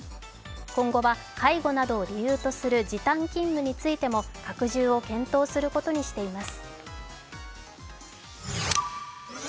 今後は介護などを理由とする時短勤務についても拡充を検討することにしています。